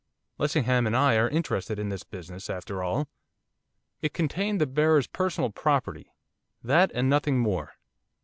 Lessingham and I are interested in this business, after all.' 'It contained the bearer's personal property: that, and nothing more.